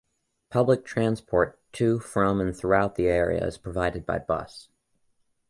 Public transport to, from and throughout the area is provided by bus.